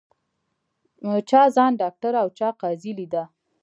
چا ځان ډاکټره او چا قاضي لیده